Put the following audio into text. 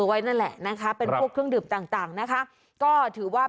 ไว้นั่นแหละนะคะเป็นพวกเครื่องดื่มต่างต่างนะคะก็ถือว่า